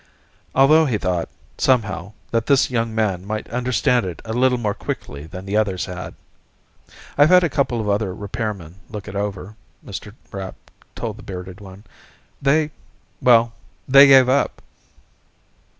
Although he thought, somehow, that this young man might understand it a little more quickly than the others had. "I've had a couple of other repairmen look it over," Mr. Rapp told the bearded one. "They ... well, they gave up."